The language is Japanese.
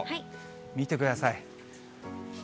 見てください。